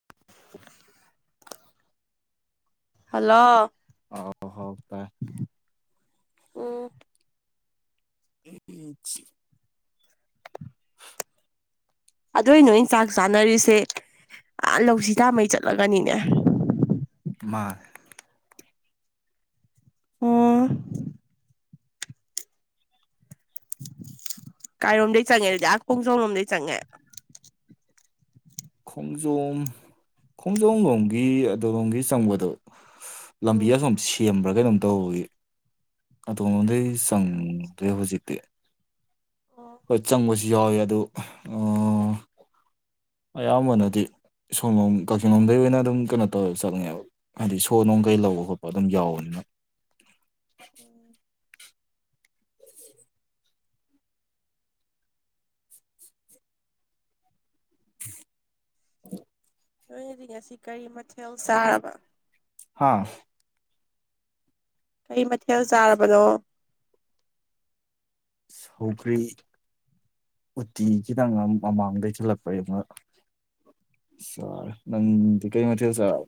[unintelligible] hello ꯑ ꯍ ꯇꯥꯏ ꯑꯣꯝ ꯑꯦꯆ ꯑꯗꯨꯏ ꯅ ꯑꯩꯅ ꯆꯥꯛ ꯆꯥꯅꯔꯤꯁꯦ ꯑ ꯂꯧꯁꯤ ꯇꯥꯃꯩ ꯆꯠꯂꯒꯅꯤꯅꯦ ꯃꯥ ꯑꯣ ꯀꯥꯏꯔꯣꯝꯗꯩ ꯆꯪꯉꯦ ꯑꯗꯨꯗꯤꯍꯥꯛ ꯄꯨꯡ ꯆꯣ ꯂꯣꯝꯗꯩ ꯆꯪꯉꯦ ꯈꯣꯡꯖꯣꯝ ꯈꯣꯡꯖꯣꯝ ꯂꯣꯝꯒꯤ ꯑꯗꯨ ꯂꯣꯝꯒꯤ ꯆꯪꯕꯗꯣ ꯂꯝꯕꯤ ꯎꯝ ꯑꯁꯨꯝ ꯁꯦꯝꯕ꯭ꯔ ꯀꯩꯅꯣꯝ ꯇꯧꯕꯒꯤ ꯑꯗꯣꯉꯣꯝꯗꯩ ꯆꯪꯗ꯭ꯔꯦ ꯍꯧꯖꯤꯛꯇꯤ ꯑꯣ ꯍꯣꯏ ꯆꯪꯕꯁꯨ ꯌꯥꯎꯋꯦ ꯑꯗꯨ ꯎ ꯑꯌꯥꯝꯕꯅꯗꯤ ꯁꯣꯝꯂꯣꯝ ꯀꯛꯆꯤꯡꯂꯣꯝꯗꯒꯤ ꯑꯣꯏꯅ ꯑꯗꯨꯝ ꯀꯩꯅꯣ ꯇꯧꯔ ꯆꯠꯅꯤꯡꯉꯦꯕ ꯍꯥꯏꯗꯤ ꯁꯣ ꯅꯨꯡ ꯀꯩ ꯂꯧꯕ ꯈꯣꯠꯄ ꯑꯗꯨꯝ ꯌꯥꯎꯕꯅꯤꯅ [unintelligible] ꯎꯝ ꯅꯣꯏꯖꯤ ꯉꯁꯤ ꯀꯔꯤ ꯃꯊꯦꯜ ꯆꯥꯔꯕ ꯍꯥꯥ ꯀꯩ ꯃꯊꯦꯜ ꯆꯥꯔꯕꯅꯣ ꯁꯧꯈ꯭ꯔꯤ ꯎꯇꯤ ꯈꯤꯇꯪ ꯑꯃ ꯃꯃꯥꯡꯗꯩꯁꯤꯜꯂꯛꯄꯩ ꯑꯃ ꯁꯥ ꯅꯗꯤ ꯀꯩ ꯃꯊꯦꯜ ꯆꯥꯔꯕ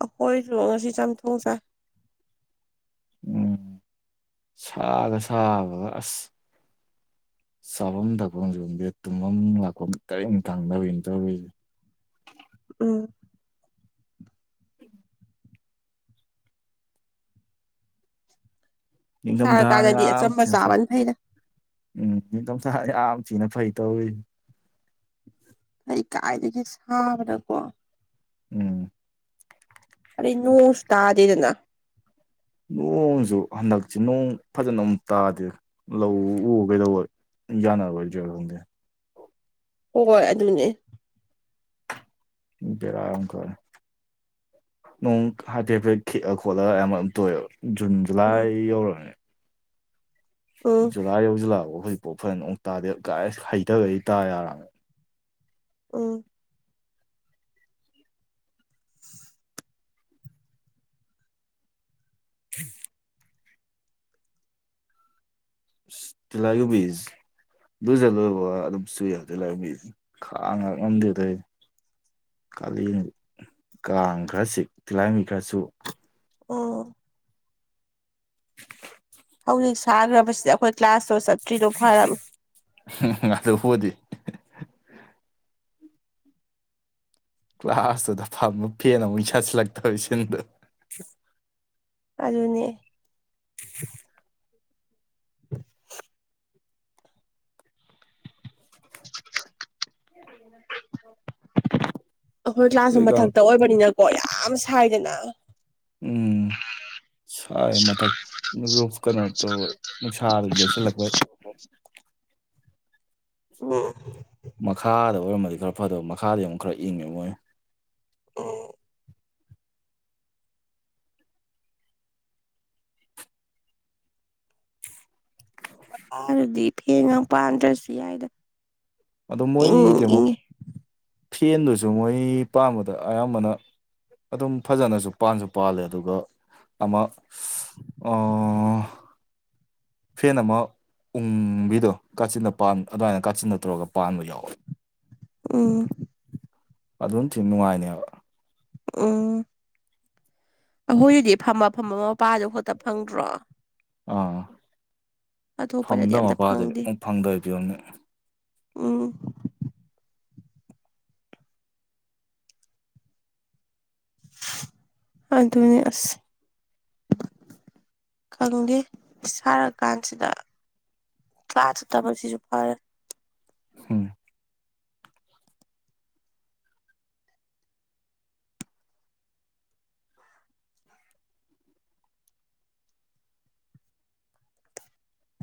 ꯑꯩꯈꯣꯏꯁꯨ ꯉꯁꯤ ꯆꯥꯝꯊꯣꯡ ꯆꯥꯏ ꯎꯝ ꯁꯥꯒ ꯁꯥꯕ ꯑꯁ ꯆꯥꯐꯝ ꯊꯛꯐꯝ ꯆꯒꯪꯗꯦ ꯇꯨꯝꯐꯝ ꯂꯥꯛꯐꯝ ꯇꯔꯦꯠ ꯊꯥꯡꯗꯋꯅ ꯇꯧꯔꯤꯁꯦ [unintelligible] ꯎꯝ ꯎꯝ ꯎ ꯢꯡꯊꯝ ꯊꯥ ꯁꯥꯔꯀꯥꯟꯗꯗꯤ ꯌꯥꯝ ꯑꯆꯝꯕ ꯊꯤꯐꯩ ꯆꯥꯕꯅ ꯐꯩꯗ ꯎꯝ ꯑꯥꯝ ꯊꯤꯅ ꯐꯩ ꯇꯧꯋꯦ ꯑꯩ ꯀꯥꯏꯗꯒꯤ ꯁꯥꯕꯔꯀꯣ ꯎꯝ ꯏꯅꯣꯛꯁꯨ ꯇꯥꯗꯦꯗꯅ ꯅꯣꯡꯁꯨ ꯍꯟꯗꯛꯁ ꯅꯣꯡ ꯐꯖꯅ ꯑꯃꯨꯛ ꯇꯥꯗꯦ ꯂꯧ ꯎ ꯀꯩꯗꯧꯕ ꯌꯥꯅ ꯋꯥꯏꯖ ꯊꯦ ꯍꯣꯏ ꯑꯗꯨꯅꯦ ꯕꯦꯔ ꯌꯥꯝ ꯀꯥꯢ ꯅꯣꯡ ꯍꯥꯏꯐꯦꯠꯐꯦꯠ ꯈꯤꯛꯑ ꯈꯣꯠꯂ ꯌꯥꯝꯝ ꯇꯣꯛꯑꯦꯕ ꯖꯨꯟ ꯖꯨꯂꯥꯏ ꯎꯝ ꯌꯧꯔꯅꯤ ꯎꯝ ꯖꯨꯂꯥꯏ ꯌꯧꯁꯨ ꯂꯥꯛꯐ ꯍꯧꯖꯤꯛꯐꯥꯎ ꯐꯖꯅ ꯑꯃꯨꯛ ꯇꯥꯗꯦ ꯥꯏ ꯍꯩꯇꯕꯩ ꯇꯥ ꯌꯥꯔꯅꯦ ꯎ ꯎꯝ ꯇꯤꯂꯥꯢꯈꯨꯝꯕꯤ ꯁ ꯂꯨꯁꯂꯣꯏꯕ ꯑꯗꯨꯝ ꯁꯨꯏ ꯍꯧꯖꯤ ꯈꯥꯡ ꯉ ꯉꯝꯗꯦꯗ ꯀꯥꯂꯦꯟ ꯀꯥꯡ ꯈꯔꯁꯤ ꯇꯤꯍꯥꯡꯕꯤ ꯈꯔꯁꯨ ꯑꯣ ꯑꯩꯈꯣꯏ ꯁꯥꯈꯔꯕꯁꯤꯗ ꯑꯩꯈꯣꯏ ꯀ꯭ꯂꯥꯁ ꯍꯝ ꯍꯝ ꯑꯗꯨꯕꯨꯗꯤ ꯀꯂꯥꯁꯇꯨꯗ ꯐꯥꯝꯃ ꯐ‌ꯦꯟ ꯑꯃꯨꯛ ꯆꯥꯖꯂꯥꯛꯇ ꯇꯧꯋꯤꯁꯤꯡꯗ‌ꯣ ꯑꯗꯨꯅꯦ [unintelligible] ꯑꯩꯈꯣꯏ ꯀ꯭ꯂꯥꯁꯁꯨ ꯑꯩꯈꯣꯏꯒ ꯃꯊꯛꯇ ꯑꯣꯏꯕꯅꯤꯅꯀꯣ ꯌꯥꯝ ꯁꯥꯏꯗꯅ ꯎꯝ ꯁꯥꯏ ꯃꯊꯛ ꯔꯨꯞ ꯀꯩꯅꯣ ꯇꯧꯋ‌ꯦ ꯅꯨꯡꯁꯥ ꯌꯩꯁꯜꯂꯛꯄ [unintelligible] ꯎꯝ ꯃꯈꯥꯗ ꯑꯣꯏꯔꯝꯃꯗꯤ ꯈꯔ ꯐꯗ‌ꯣꯕ ꯃꯈꯥꯗ ꯑꯃꯨꯛ ꯈꯔ ꯏꯪꯉꯦꯕ ꯃꯣꯏ ꯑꯣ ꯃꯈꯥꯗꯗꯤ ꯐ‌ꯦꯟꯒ ꯄꯥꯟꯗꯔꯁꯨ ꯌꯥꯏꯗ ꯑꯗ‌ꯣ ꯏꯪ ꯃꯣꯏꯗꯤꯃꯨꯛ ꯏꯪꯉꯦ ꯐꯦꯟꯗꯨꯁꯨ ꯃꯣꯏ ꯄꯥꯡꯕꯗ ꯑꯌꯥꯝꯕꯅ ꯑꯗꯨꯝ ꯐꯖꯅꯁꯨ ꯄꯥꯟꯁꯨ ꯄꯥꯜꯂꯦ ꯑꯗꯨꯒ ꯑꯃ ꯑꯁ ꯑꯥ ꯐꯦꯟ ꯑꯃ ꯎꯪꯕꯤꯗꯣ ꯀꯥꯆꯤꯟꯅ ꯄꯥꯟ ꯑꯗꯨꯃꯥꯏꯅ ꯀꯥꯆꯤꯟꯅ ꯇꯧꯔꯒ ꯄꯥꯟꯕ ꯌꯥꯎꯋ‌ꯦ ꯎꯝ ꯑꯗꯨꯝ ꯊꯤ ꯅꯨꯡꯉꯥꯏꯅꯦꯕ ꯎꯝ ꯑꯩꯈꯣꯏꯗꯨꯗꯤ ꯐꯝꯕ ꯐꯝꯕ ꯃꯄꯥꯗꯣ ꯈꯛꯇ ꯐꯪꯗ꯭ꯔꯣ ꯑꯥ ꯑꯇꯣꯞꯄꯗꯗꯤ ꯐꯝꯗꯕ ꯑꯝꯇ ꯃꯄꯥꯗꯨꯗꯤ ꯐꯪꯗꯦ ꯃꯨꯛ ꯐꯪꯗꯕꯩ ꯐꯤꯕꯝꯅꯦ ꯎꯝ ꯑꯗꯨ ꯑꯁ ꯈꯪꯗꯦ ꯁꯥꯔ ꯀꯥꯟꯁꯤꯗ ꯀꯂꯥꯁ ꯆꯠꯇꯕꯁꯤꯁꯨ ꯐꯔꯦ ꯎꯝ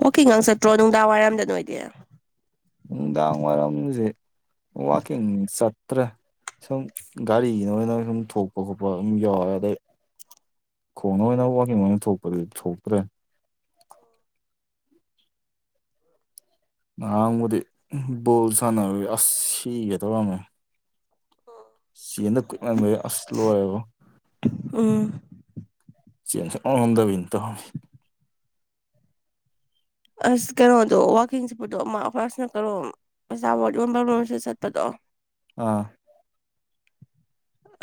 ꯋꯥꯀꯤꯡꯒ ꯆꯠꯇ꯭ꯔꯣ ꯅꯨꯡꯗꯥꯡꯋꯥꯏꯔꯝꯗ ꯅꯣꯏꯗꯤ ꯅꯨꯡꯗꯥꯡ ꯋꯥꯏꯔꯝꯁꯦ ꯋꯥꯀꯤꯡ ꯆꯠꯇ꯭ꯔꯦ ꯁꯨꯝ ꯒꯥꯔꯤꯅ ꯑꯣꯏꯅ ꯁꯨꯝ ꯊꯣꯛꯄ ꯈꯣꯠꯄ ꯑꯗꯨꯝ ꯌꯥꯎꯔꯦ ꯑꯗꯩ ꯈꯣꯡꯅ ꯑꯣꯏꯅ ꯋꯥꯀꯤꯡ ꯑꯣꯏꯅ ꯊꯣꯛꯄꯗꯤ ꯊꯣꯛꯇ꯭ꯔꯦ ꯉꯔꯥꯡꯕꯨꯗꯤ ꯕꯣꯜ ꯁꯥꯟꯅꯕꯩ ꯁꯤꯒꯦ ꯇꯧꯔꯝꯃꯦ ꯁꯤꯅ ꯀꯨꯠꯃꯟꯕꯩ ꯑꯁ ꯂꯣꯏꯔ‌ꯦ ꯎꯝ ꯆ‌ꯦꯟ ꯁꯨꯛꯉꯝ ꯉꯝꯗꯕꯤꯅ‌ꯦ ꯇꯩꯔꯤꯁ ꯑꯁ ꯀꯩꯅꯣꯗꯣ ꯋꯥꯛꯀꯤꯡ ꯆꯠꯄꯗꯣ ꯑꯃ ꯑꯈ‌ꯣꯏ ꯑꯁ‌ꯣꯝ ꯅꯀꯟꯔ‌ꯣꯝ ꯑꯆꯥꯄ‌ꯣꯠ ꯌ‌ꯣꯟꯐꯝꯔ‌ꯣꯝꯁꯤ ꯆꯠꯄꯗꯣ ꯑꯥ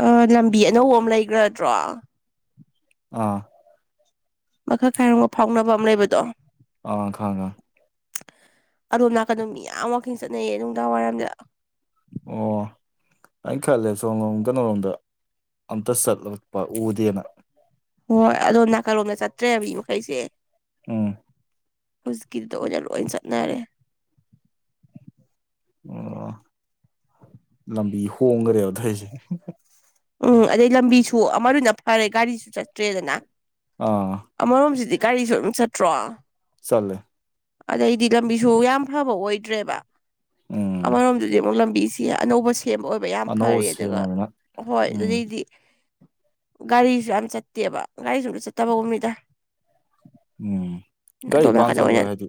ꯑꯥ ꯂꯝꯕꯤ ꯑꯅꯧꯕ ꯑꯃ ꯂꯩꯈ꯭ꯔꯗ꯭ꯔꯣ ꯑꯥ ꯃꯈꯥ ꯐꯥꯏꯔꯣꯒ ꯐꯥꯎꯅꯕ ꯑꯃ ꯂꯩꯕꯗꯣ ꯑ ꯈꯪꯉ‌ꯦ ꯈ‌ꯪ ꯑꯗꯣꯝ ꯅꯥꯀꯟꯗꯣ ꯃꯤ ꯌꯥꯝ ꯋꯥꯛꯀꯤꯡ ꯆꯠꯅꯩꯌꯦ ꯅꯨꯡꯗꯥꯡꯋꯥꯏꯔꯝꯗ ꯑꯣ ꯑꯩꯅ ꯈꯜꯂꯦ ꯁꯣꯝꯂ‌ꯣꯝ ꯀꯩꯅ‌ꯣꯔꯣꯝꯗ ꯑꯝꯇ ꯆꯠꯂꯛꯄ ꯎꯗꯦꯅ ꯍꯣꯏ ꯑꯗꯣ ꯅꯥꯀꯜꯂꯣꯝꯗ ꯆꯠꯇ꯭ꯔꯦ ꯃꯤ ꯃꯈꯩꯁꯦ ꯎꯝ ꯍꯧꯖꯤꯛꯀꯤꯗꯨꯗ ꯑꯣꯏꯅ ꯂꯣꯏ ꯆꯠꯅꯔꯦ ꯑꯣ ꯂꯝꯕꯤ ꯍꯣꯡꯈꯔꯦ ꯑꯗꯨꯏ ꯎꯝ ꯑꯗꯩ ꯂꯝꯕꯤꯁꯨ ꯑꯃꯗꯨꯅ ꯐꯔꯦ ꯒꯥꯔꯤꯁꯨ ꯆꯠꯇ꯭ꯔꯦꯗꯅ ꯑꯥ ꯑꯃꯔꯣꯝꯁꯤꯗꯤ ꯒꯥꯔꯤꯁꯨ ꯑꯗꯨꯝ ꯆꯠꯇ꯭ꯔꯣ ꯆꯠꯂꯦ ꯑꯗꯩꯗꯤ ꯂꯝꯕꯤꯁꯨ ꯌꯥꯝ ꯐꯕ ꯑꯣꯏꯗ꯭ꯔꯦꯕ ꯎꯝ ꯑꯃꯔꯣꯝꯗꯗꯤ ꯑꯃꯨꯛ ꯂꯝꯕꯤ ꯁꯤ ꯑꯅꯧꯕ ꯁꯦꯝꯕ ꯑꯣꯏꯕ ꯌꯥꯝ ꯐꯔ ꯑꯅꯧꯕ ꯑꯗꯨꯒ ꯁꯦꯝꯃꯕꯅꯤꯅ ꯍꯣꯏ ꯎꯝ ꯑꯗꯨꯗꯒꯤꯗꯤ ꯒꯥꯔꯤꯁꯨ ꯌꯥꯝ ꯆꯠꯇꯦꯕ ꯒꯥꯔꯤꯁꯨ ꯑꯇ ꯆꯠꯇꯕꯒꯨꯝꯃꯤꯗ ꯎꯝ ꯒꯥꯔꯤ ꯄꯥꯡ ꯆꯠꯂꯣꯏ ꯑꯣꯏꯅ ꯍꯥꯏꯗꯤ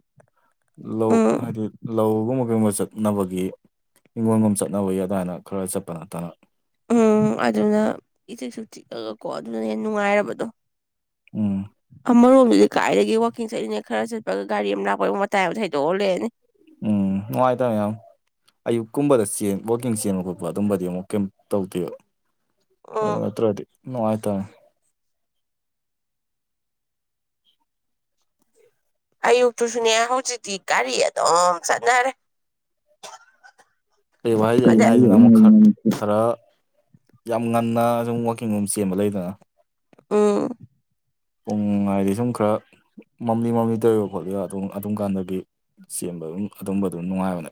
ꯂꯧ ꯎꯝ ꯍꯥꯏꯗꯤ ꯂꯧ [unintelligible] ꯀꯩꯕ ꯆꯠꯅꯕꯒꯤ ꯍꯤꯡꯈꯣꯜꯒꯨꯝ ꯆꯠꯅꯕꯒꯤ ꯑꯗꯨꯃꯥꯏꯅ ꯈꯔ ꯆꯠꯄ ꯅꯠꯇꯅ ꯎꯝ ꯑꯗꯨꯅ ꯏꯆꯤꯁꯨ ꯆꯤꯛꯂꯒꯀꯣ ꯑꯗꯨꯅ ꯍꯦꯟꯅ ꯅꯨꯡꯉꯥꯏꯔꯕꯗꯣ ꯎꯝ ꯃꯔꯣꯝꯗꯨꯗꯤ ꯀꯥꯏꯗꯒꯤ ꯋꯥꯛꯀꯤꯡ ꯆꯠꯂꯤꯅ ꯈꯔ ꯆꯠꯄꯒ ꯒꯥꯔꯤ ꯑꯃ ꯂꯥꯛꯄꯒ ꯃꯇꯥꯏ ꯑꯃ ꯍꯩꯗꯣꯛꯑ ꯂꯩꯔꯅꯤ ꯎꯝ [unintelligible] ꯑꯌꯨꯛ ꯀꯨꯝꯕꯗ [unintelligible] ꯋꯥꯛꯀꯤꯡ ꯆꯦꯟꯕ ꯈꯣꯠꯄ ꯑꯗꯨꯝꯕꯗꯤ ꯑꯃꯨꯛ ꯀꯑꯩꯝ ꯇꯧ [unintelligible] ꯑ ꯎꯝ ꯅꯠꯇꯗꯤ ꯅꯨꯉꯥꯏ [unintelligible] ꯑꯌꯨꯛꯇꯨꯁꯨꯅꯦ ꯍꯧꯖꯤꯛꯇꯤ ꯒꯥꯔꯤ ꯑꯗꯨꯝ ꯆꯠꯅꯔꯦ ꯑꯩ ꯋꯥꯍꯩꯁꯦ ꯑꯩꯅ ꯑꯗ ꯍꯥꯏꯁꯤꯅ ꯑꯃꯨꯛꯔ ꯈꯔ ꯌꯥꯝ ꯉꯟꯅ ꯁꯨꯝ ꯋꯥꯛꯀꯤꯡ ꯔꯝ ꯆꯦꯟꯕ ꯂꯩꯗꯅ ꯎ ꯄꯨꯡꯉꯥꯏꯗꯤ ꯁꯨꯝ ꯈꯔ ꯃꯝꯂꯤ ꯃꯝꯂꯤ ꯇꯧꯔꯤꯕ ꯈꯣꯠꯂꯤꯕ ꯑꯗꯨꯝ ꯀꯥꯟꯗꯒꯤ ꯆ ꯑꯗꯨꯝ ꯑꯗꯨꯝꯕ ꯑꯗꯨꯝ ꯅꯨꯡꯉꯥꯏꯕꯅꯦ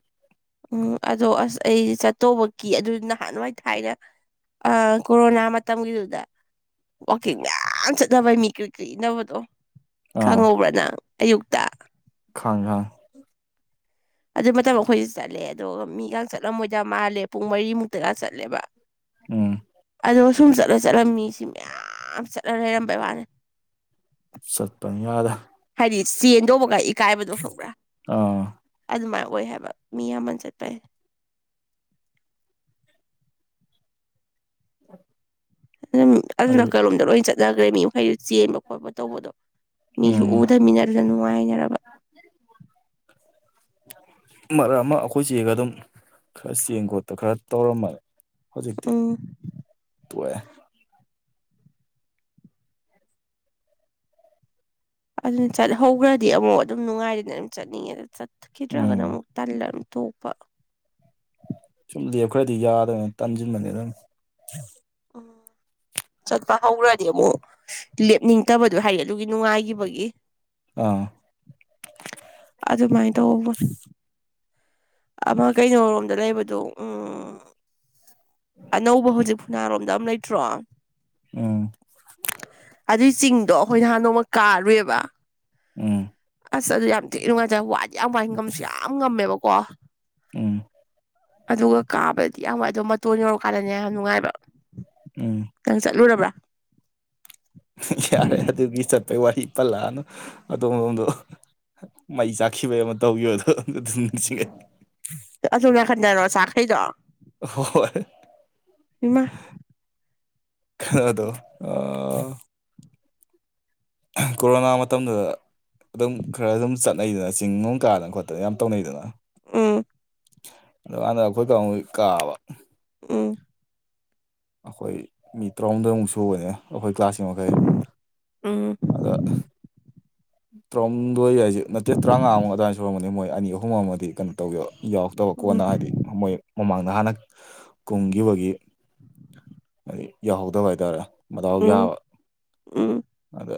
ꯎꯝ ꯑꯗꯣ ꯑꯁ ꯑꯩ ꯆꯠꯇꯧꯕ ꯀ ꯑꯗꯨ ꯅꯍꯥꯟ ꯋꯥꯥꯏ ꯊꯥꯏꯅ ꯑ ꯀꯣꯔꯣꯅꯥ ꯃꯇꯥꯝꯒꯤꯗꯨꯗ ꯋꯥꯛꯀꯤꯡ ꯃꯌꯥꯝ ꯆꯠꯅꯕꯩ ꯃꯤ ꯀꯔꯤ ꯀꯔꯤ ꯏꯅꯕꯗꯣ ꯑꯥ ꯈꯪꯍꯧꯕ꯭ꯔꯥ ꯅꯪ ꯑꯌꯨꯛꯇ ꯈꯥꯡ ꯈꯥꯡ ꯑꯗꯨ ꯃꯇꯝ ꯑꯩꯈꯣꯏꯁꯨ ꯆꯠꯂꯦ ꯑꯗꯨꯒ ꯃꯤꯒ ꯆꯠꯂꯝꯃꯣꯏꯗ ꯃꯥꯜꯂꯦ ꯄꯨꯡ ꯃꯔꯤꯃꯨꯛꯇꯒ ꯆꯠꯂꯦꯕ ꯑꯥ ꯗ ꯁꯨꯝ ꯆꯠꯂ ꯆꯠꯂꯝꯃꯤꯁꯤ ꯃꯌꯥꯝ ꯆꯠꯂ ꯂꯩꯔꯝꯕꯩ ꯋꯥꯅꯦ ꯁꯠꯄꯟ ꯌꯥꯗ ꯍꯥꯏꯗꯤ ꯆꯦꯟꯗꯧꯕꯒ ꯏꯀꯥꯏꯕꯗꯣ ꯐꯪꯕ꯭ꯔꯥ ꯑꯥ ꯑꯗꯨꯃꯥꯏꯅ ꯑꯣꯏ ꯍꯥꯏꯕ ꯃꯤ ꯑꯃ ꯆꯠꯄ ꯎ ꯑꯗꯨꯝ ꯑꯗꯨꯅ ꯀꯔꯂꯣꯝꯗ ꯂꯣꯏ ꯆꯠꯅꯈ꯭ꯔꯦ ꯃꯤꯈꯩ ꯆꯦꯟꯕ ꯈꯣꯠꯄ ꯇꯧꯕꯗꯣ ꯃꯤꯁꯨ ꯎꯝ ꯎꯊꯃꯤꯟꯅꯔꯒ ꯅꯨꯡꯉꯥꯏꯅꯔꯕ [unintelligible] ꯃꯔꯛ ꯑꯃ ꯑꯩꯈꯣꯏ ꯆꯦꯒ ꯑꯗꯨꯝ ꯈꯔ ꯆꯦꯡ ꯈꯣꯠꯄ ꯈꯔ ꯇꯧꯔꯝꯃꯅꯤ ꯍꯧꯖꯤꯛꯇꯤ ꯎꯝ ꯇꯣꯛꯑ ꯑꯗꯨꯅ ꯆꯠꯍꯧꯈ꯭ꯔꯗꯤ ꯑꯃꯨꯛ ꯑꯗꯨꯝ ꯅꯨꯡꯉꯥꯏꯗꯅ ꯑꯗꯨꯝ ꯆꯠꯅꯤꯡꯉꯦ ꯑꯗꯨ ꯆꯠꯈꯤꯗ꯭ꯔꯒꯅ ꯎꯝ ꯑꯃꯨꯛ ꯇꯜꯂ ꯑꯇꯣꯞꯄ ꯁꯨꯝ ꯂꯦꯞꯈ꯭ꯔꯗꯤ ꯌꯥꯗꯕꯅꯤ ꯇꯥꯟꯁꯤꯟꯕꯅꯤ ꯑꯗꯨꯝ ꯎꯝ [unintelligible] ꯆꯠꯄ ꯍꯧꯒꯔꯗꯤ ꯑꯃꯨꯛ ꯂꯦꯞꯅꯤꯡꯗꯕꯗꯣ ꯍꯥꯏꯌꯦ ꯑꯗꯨꯒꯤ ꯅꯨꯡꯉꯥꯏꯈꯤꯕꯒꯤ ꯑꯥ ꯑꯗꯨ ꯑꯗꯨꯃꯥꯏ ꯇꯧꯕ ꯑꯃ ꯀꯩꯅꯣꯔꯣꯝꯗ ꯂꯩꯕꯗꯣ ꯎꯝ ꯑꯅꯧꯕ ꯍꯧꯖꯤꯛ ꯅꯥꯔꯣꯝꯗ ꯑꯃꯝ ꯂꯩꯇ꯭ꯔꯣ ꯎꯝ ꯑꯗꯨꯏ ꯆꯤꯡ ꯑꯗꯣ ꯑꯩꯈꯣꯏ ꯅꯍꯥꯟ ꯅꯣꯡꯃ ꯀꯥꯔꯨꯏꯦꯕ ꯎꯝ ꯑꯁ ꯑꯗꯨ ꯌꯥꯝ ꯊꯤ ꯅꯨꯡꯉꯥꯏꯖꯔ ꯋꯥꯏꯗꯤ ꯌꯥꯝ ꯋꯥꯏ ꯉꯝꯁꯨ ꯌꯥꯝ ꯉꯝꯃꯦꯕꯀꯣ ꯎꯝ ꯑꯗꯨꯒ ꯀꯥꯕꯗꯤ ꯌꯥꯝ ꯋꯥꯏ ꯑꯗꯣ ꯃꯇꯣꯟ ꯌꯧꯔꯀꯥꯟꯗꯅꯦ ꯌꯥꯝ ꯅꯨꯡꯉꯥꯏꯕ ꯎꯝ ꯅꯪ ꯆꯠꯂꯨꯔꯕ꯭ꯔꯥ ꯌꯥꯔꯦ ꯑꯗꯨꯗꯤ ꯆꯠꯄꯩ ꯋꯥꯍꯤ ꯄꯜꯂꯅ ꯑꯣꯗꯣ ꯃꯩ ꯆꯥꯛꯈꯤꯕꯩ ꯑꯃ ꯇꯧꯈꯤꯕꯣ ꯑꯗꯣ ꯑꯝꯇ ꯑꯗꯨꯝꯁꯤꯡꯉꯦ ꯑꯁꯨꯝꯅ ꯈꯟꯟꯅꯔꯣ ꯆꯈꯩꯗꯣ ꯍ ꯏꯃꯥ ꯈꯗꯣ ꯑ ꯀꯣꯔꯣꯅꯥ ꯃꯇꯝꯗꯨꯗ ꯑꯗꯨꯝ ꯈꯔ ꯑꯗꯨꯝ ꯆꯠꯅꯩꯗꯅ ꯆꯤꯡ ꯅꯨꯡ ꯀꯥꯗꯅ ꯈꯣꯠꯇꯅ ꯌꯥꯝ ꯇꯧꯅꯩꯗꯅ ꯎꯝ ꯑꯗ ꯋꯥꯗ ꯀꯠꯇ ꯏ ꯀꯥꯕ ꯎꯝ ꯑꯩꯈꯣꯏ ꯃꯤ ꯇꯔꯥꯍꯨꯝꯗꯣꯏꯃꯨꯛ ꯁꯨ ꯑꯣꯏꯅꯦ ꯑꯩꯈꯣꯏ ꯀ꯭ꯂꯥꯁꯁꯤꯡ ꯃꯈꯩ ꯎꯝ ꯑꯗ ꯇꯔꯥꯍꯨꯝꯗꯣꯏ ꯍꯥꯏꯁꯦ ꯅꯠꯇꯦ ꯇꯔꯥꯃꯉꯥꯃꯨꯛ ꯑꯗꯨꯋꯥꯏꯗ ꯁꯨꯔꯝꯕꯅꯦ ꯃꯣꯏ ꯑꯅꯤ ꯑꯍꯨꯝ ꯑꯃꯗꯤ ꯀꯩꯅꯣ ꯇꯧꯒꯦꯕ ꯌꯥꯎꯔꯛꯇꯕ ꯀꯣꯟꯅ ꯎꯝ ꯍꯥꯏꯗꯤ ꯃꯣꯏ ꯃꯃꯥꯡꯗ ꯍꯥꯟꯅ ꯀꯨꯝꯈꯤꯕꯒꯤ ꯍꯥꯏꯗꯤ ꯌꯥꯎꯍꯧꯗꯕ ꯍꯥꯏꯇꯥꯔꯦ ꯃꯇꯗꯥꯎ ꯎꯝ ꯌꯥꯕ ꯎꯝ ꯑꯗ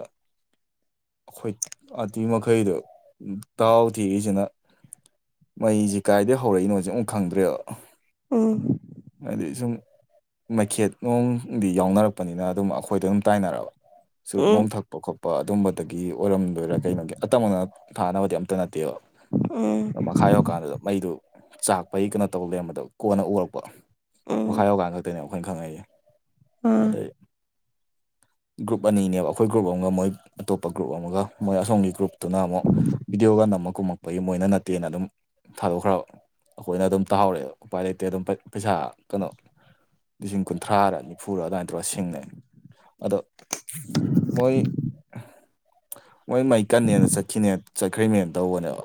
ꯑꯩꯈꯣꯏ ꯑꯥꯇꯤ ꯃꯈꯩꯗꯣ ꯇꯥꯎ ꯊꯦꯛꯏꯁꯤꯅ ꯃꯩꯁꯦ ꯀꯥꯏꯗꯒꯤꯩ ꯍꯧꯔꯛꯏꯅꯣꯁꯦ ꯑꯃꯨꯛ ꯈꯪꯗ꯭ꯔꯦꯕ ꯍꯥꯏꯗꯤ ꯁꯨꯝ ꯃꯩꯈꯦꯠ ꯅꯨꯡꯗꯤ ꯌꯥꯎꯅꯔꯛꯄꯅꯤꯅ ꯑꯗꯨꯝ ꯑꯩꯈꯣꯏꯗ ꯑꯗꯨꯝ ꯇꯥꯏꯅꯔꯕ ꯎꯝ ꯎꯝ ꯁꯨꯔꯨꯞ ꯣꯝ ꯊꯛꯄ ꯈꯣꯠꯄ ꯑꯗꯨꯝꯕꯗꯒꯤ ꯑꯣꯏꯔꯝꯗꯣꯏꯔꯥ ꯀꯩꯅꯣꯒꯤ ꯑꯇꯝꯕꯅ ꯊꯥꯅꯕꯗꯤ ꯑꯝꯇ ꯅꯠꯇꯦꯕ ꯎꯝ ꯑ ꯃꯈꯥ ꯌꯧꯔꯀꯥꯟꯗꯨꯗ ꯃꯩꯗꯨ ꯆꯥꯛꯄꯒꯤ ꯀꯩꯅꯣ ꯇꯧ ꯂꯩꯔꯝꯕꯗꯣ ꯀꯣꯟꯅ ꯎꯔꯛꯄ ꯃꯈꯥ ꯎꯝ ꯌꯧꯀꯥꯟ ꯈꯛꯇꯅꯦꯕ ꯋꯥꯈꯣꯏ ꯈꯪꯉꯩꯌꯦ ꯑꯥ ꯑꯗꯩ ꯒ꯭ꯔꯨꯞ ꯑꯅꯤꯅꯦꯕ ꯑꯩꯈꯣꯏ ꯒ꯭ꯔꯨꯞ ꯑꯃꯒ ꯃꯣꯏ ꯑꯇꯣꯞꯄ ꯒ꯭ꯔꯨꯞ ꯑꯃꯒ ꯃꯣꯏ ꯑꯁꯣꯝꯒꯤ ꯒ꯭ꯔꯨꯞ ꯇꯨꯅ ꯑꯃꯨꯛ ꯚꯤꯗꯤꯑꯣ ꯒꯟ ꯑꯃ ꯀꯨꯝꯃꯛꯄꯒꯤ ꯃꯣꯏꯅ ꯅꯠꯇꯦꯅ ꯑꯗꯨꯝ ꯊꯥꯗꯣꯛꯈ꯭ꯔꯕ ꯑꯩꯈꯣꯏꯅ ꯑꯗꯨꯝ ꯇꯥꯍꯧꯔꯛꯦ ꯎꯄꯥꯏ ꯂꯩꯇꯦ ꯑꯗꯨꯝ ꯄꯩꯁꯥ ꯀꯩꯅꯣ ꯂꯤꯁꯤꯡ ꯀꯨꯟꯊ꯭ꯔꯥꯔ ꯅꯤꯐꯨꯔꯥ ꯑꯗꯨꯃꯥꯏ ꯇꯧꯔꯒ ꯁꯤꯡꯅꯩ ꯑꯗꯣ ꯃꯣꯏ ꯃꯣꯏ ꯃꯩ ꯀꯟꯅꯅ ꯆꯠꯈꯤꯅꯦ ꯆꯠꯈ꯭ꯔꯤ ꯃꯦꯝ ꯇꯧꯕꯅꯦꯕ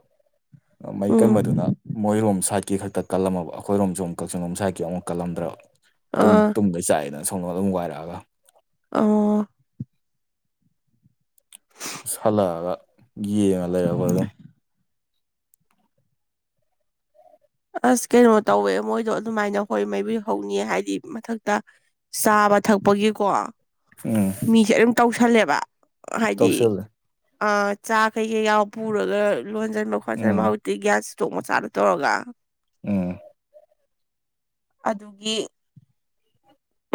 ꯃꯩ ꯎꯝ ꯀꯟꯕꯗꯨꯅ ꯃꯣꯏꯔꯣꯝ ꯁꯥꯏꯠꯀꯤ ꯈꯛꯇ ꯀꯜꯂꯝꯃꯕ ꯑꯩꯈꯣꯏꯔꯣꯝ ꯁꯣꯨꯝ ꯀꯛꯆꯤꯡꯡꯂꯣꯝ ꯁꯥꯏꯠꯀꯤ ꯑꯃꯨꯛ ꯀꯜꯂꯝꯗ꯭ꯔꯕ ꯑꯗꯨꯝ ꯑꯥ ꯇꯨꯝꯗꯩ ꯆꯥꯛꯑꯦꯅ ꯊꯣꯡꯗꯣ ꯑꯗꯨꯝ ꯋꯥꯥꯏꯔꯛꯑꯒ ꯑꯣ ꯁꯥꯜꯂꯛꯑꯒ ꯌꯦꯡꯉ ꯂꯩꯔ ꯑꯩꯈꯣꯏ ꯑꯗꯨꯝ ꯑꯁ ꯀꯩꯅꯣ ꯇꯧꯋꯦ ꯃꯣꯏꯗꯣ ꯑꯗꯨꯃꯥꯏꯅ ꯍꯣꯏ ꯃꯩꯕꯨ ꯍꯧꯅꯤ ꯍꯥꯏꯗꯤ ꯃꯊꯛꯇ ꯆꯥꯕ ꯊꯛꯄꯒꯤꯀꯣ ꯎꯝ ꯃꯤꯁꯦ ꯑꯗꯨꯝ ꯇꯧꯁꯜꯂꯦꯕ ꯍꯥꯏꯗꯤ ꯇꯧꯁꯤꯜꯂꯦ ꯑ ꯆꯥ ꯀꯩ ꯀꯩ ꯌꯥꯎ ꯄꯨꯔꯒ ꯂꯣꯟꯁꯤꯟꯕ ꯈꯣꯠꯆꯟꯕ ꯎꯝ ꯍꯧꯖꯤꯛꯇꯤ ꯒ꯭ꯌꯥꯁ ꯆꯃꯣ ꯆꯥꯔ ꯇꯔꯒ ꯎꯝ ꯑꯗꯨꯒꯤ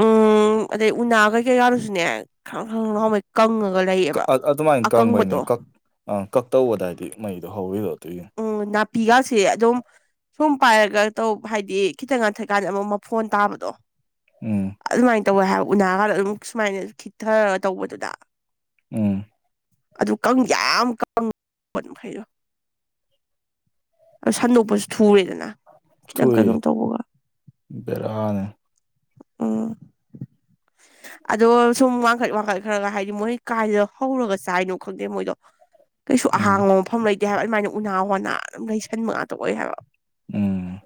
ꯎꯝ ꯑꯗꯩ ꯎꯅꯥ ꯀꯩꯀꯩ ꯌꯥꯎꯔꯨꯁꯨꯅꯦ ꯈ ꯈ ꯅꯍꯥꯎꯕꯩ ꯀꯪꯉꯒ ꯂꯩꯌꯦꯕ ꯑꯗꯨꯃꯥꯏꯅ ꯀꯪꯕꯩꯅꯦ ꯑꯀꯪꯕꯗꯣ ꯀꯛ ꯑ ꯀꯛ ꯇꯧꯕꯗ ꯍꯥꯏꯗꯤ ꯃꯩꯗꯣ ꯍꯧꯔꯤꯔꯣ ꯑꯗꯨꯏꯅꯦ ꯄꯒꯁꯦꯗꯣ ꯁꯣꯝ ꯄꯥꯏꯔꯒ ꯇꯧ ꯍꯥꯏꯗꯤ ꯈꯤꯇꯪ ꯉꯟꯊꯛꯀꯥꯟꯗ ꯑꯃꯨꯛ ꯃꯐꯣꯟ ꯇꯥꯕꯗꯣ ꯎꯝ ꯑꯗꯨꯃꯥꯏꯅ ꯇꯧꯋꯦ ꯍꯥꯏ ꯎꯅꯥ ꯈꯥꯟꯗ ꯑꯗꯨꯝ ꯁꯨꯃꯥꯏꯅ ꯈꯤꯊꯔꯒ ꯇꯧꯕꯗꯨꯗ ꯎꯝ ꯑꯗꯨ ꯀꯪ ꯌꯥꯝ ꯀꯪ ꯍꯥꯏꯩꯗꯣ ꯁꯥꯟꯗꯣꯛꯄꯁꯨ ꯐꯔꯦꯗꯅ ꯈꯤꯇꯪ ꯀꯩꯒꯣ ꯊꯣꯛꯏ ꯇꯧꯕꯒ ꯕꯦꯔꯥꯅꯦ ꯑꯣ [inaudible] ꯑꯗꯣ ꯁꯨꯝ ꯋꯥꯡꯈꯠ ꯋꯥꯡꯈꯠ ꯈꯔꯒ ꯍꯥꯏꯗꯤ ꯃꯣꯏ ꯀꯥꯏꯗ ꯍꯧꯔꯒ ꯆꯥꯏꯅꯣ ꯈꯪꯗꯦ ꯃꯣꯏꯗꯣ ꯀꯩꯁꯨ ꯎꯝ ꯑꯍꯥꯡꯕ ꯃꯐꯝ ꯂꯩꯇꯦ ꯍꯥꯏꯕ ꯑꯗꯨꯃꯥꯏꯅ ꯎꯅꯥ ꯋꯥꯅꯥ ꯑꯗꯨꯝ ꯂꯩꯩꯁꯟꯕ ꯉꯥꯛꯇ ꯑꯣꯏ ꯍꯥꯏꯕ ꯎꯝ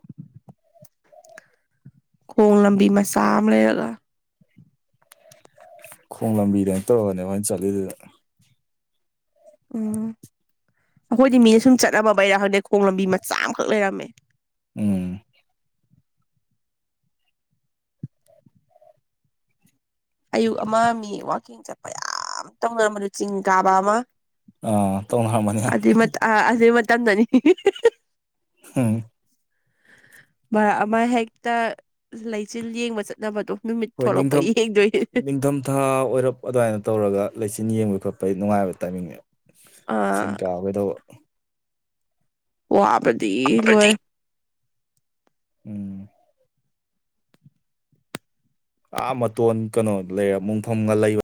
ꯈꯣꯡ ꯂꯝꯕꯤ ꯃꯆꯥ ꯑꯃ ꯂꯩꯔꯒ ꯈꯣꯡ ꯂꯝꯕꯤꯗ ꯑꯝ ꯇꯧꯔꯒꯅꯦ ꯃꯣꯏꯅ ꯆꯠꯂꯤꯗꯨꯗ ꯑꯣ ꯑꯩꯈꯣꯏꯗꯤ ꯃꯤꯅ ꯁꯨꯝ ꯆꯠꯅꯕꯕꯩꯔꯥ ꯍꯧꯗꯛ ꯈꯣꯡ ꯂꯝꯕꯤ ꯃꯆꯥ ꯑꯃꯈꯛ ꯂꯩꯔꯝꯃꯦ ꯎꯝ ꯑꯌꯨꯛ ꯑꯃ ꯃꯤ ꯋꯀꯤꯡ ꯆꯠꯄ ꯌꯥꯝ ꯇꯧꯅꯔꯝꯕꯗꯨ ꯆꯤꯡ ꯀꯥꯕ ꯑꯃ ꯑꯥ ꯇꯧꯅꯔꯝꯃꯅꯤ ꯌꯥꯝ ꯑꯗꯨꯏ ꯃꯇꯝꯗ ꯑꯗꯨꯏ ꯃꯇꯝꯗꯅꯤ ꯎꯝ ꯥ ꯑꯃ ꯍꯦꯛꯇ ꯂꯩꯆꯤꯜ ꯌꯦꯡꯕ ꯆꯠꯅꯕꯗꯣ ꯅꯨꯃꯤꯠ ꯍꯣꯏ ꯊꯣꯛꯂꯛꯄꯩ ꯅꯤꯡꯊꯝ ꯌꯦꯡꯗꯣꯏ ꯅꯤꯡꯊꯝꯊꯥ ꯑꯣꯏꯔꯞ ꯑꯗꯨꯃꯥꯏꯅ ꯇꯧꯔꯒ ꯂꯩꯆꯤꯟ ꯌꯦꯡꯕꯩ ꯈꯣꯠꯄꯒꯤ ꯅꯨꯡꯉꯥꯏꯕ ꯇꯥꯏꯃꯤꯡꯅꯦ ꯁꯤꯡ ꯑꯥ ꯀꯥꯒꯗꯧꯕ ꯋꯥꯕꯗꯤ ꯂꯣꯏꯔꯦ ꯎꯝ ꯑꯥ ꯃꯇꯣꯟ ꯀꯩꯅꯣ ꯂꯩꯔ ꯃꯨꯡꯐꯝꯒ ꯂꯩꯕ